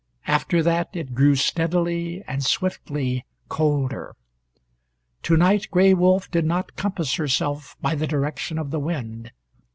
After that it grew steadily and swiftly colder. To night Gray Wolf did not compass herself by the direction of the wind.